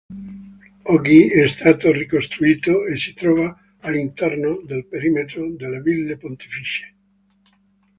Oggi è stato ricostruito e si trova all'interno del perimetro delle Ville Pontificie.